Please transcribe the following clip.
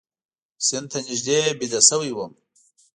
سیند ته نږدې ویده شوی یم